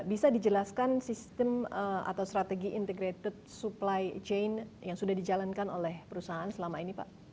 bisa dijelaskan sistem atau strategi integrated supply chain yang sudah dijalankan oleh perusahaan selama ini pak